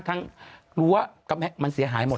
ทั้งรั้วก็มันเสียหายหมดแล้ว